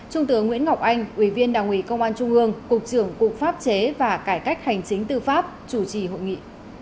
trung tướng nguyễn ngọc anh ủy viên đảng ủy công an trung ương cục trưởng cục pháp chế và cải cách hành chính tư pháp chủ trì hội nghị